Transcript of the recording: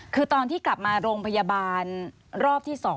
คือตอนที่กลับมาโรงพยาบาลรอบที่๒